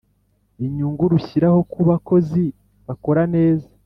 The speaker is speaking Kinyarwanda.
inyungu rushyiraho kuba kozi bakora neza